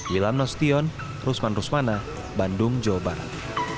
wilam nostion rusman rusmana bandung jawa barat